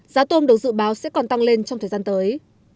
giá tôm được dự báo sẽ còn tăng lên trong thời gian tới